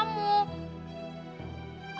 kamu kok gitu sih